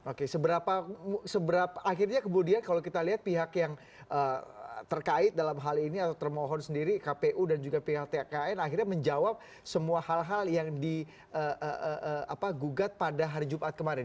oke akhirnya kemudian kalau kita lihat pihak yang terkait dalam hal ini atau termohon sendiri kpu dan juga pihak tkn akhirnya menjawab semua hal hal yang digugat pada hari jumat kemarin